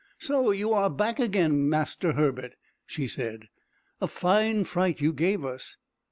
"So you are back again, Master Herbert," she said. "A fine fright you gave us!"